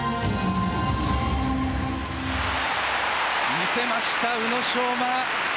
見せました、宇野昌磨。